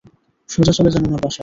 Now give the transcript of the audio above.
সোজা চলে যান উনার বাসায়।